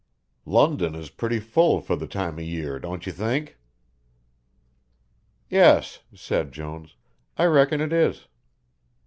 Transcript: London is pretty full for the time of year, don't you think?" "Yes," said Jones, "I reckon it is."